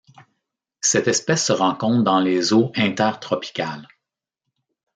Cette espèce se rencontre dans les eaux inter-tropicales.